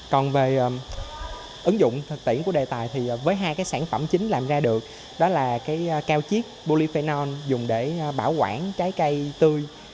còn về ứng dụng thực tiễn của đề tài thì với hai sản phẩm chính làm ra được đó là cao chiếc polyphenol dùng để bảo quản trái cây tươi